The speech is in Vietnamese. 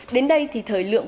đến đây thì thời lượng